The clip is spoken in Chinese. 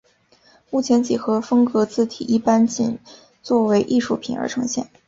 目前几何风格字体一般仅作为艺术品而呈现。